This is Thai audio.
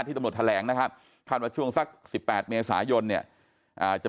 ที่ตำรวจแถแหลงนะครับพันประช่วงสัก๑๘เมสายนเนี่ยจะ